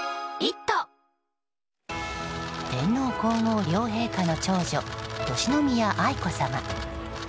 天皇・皇后両陛下の長女敬宮愛子さま。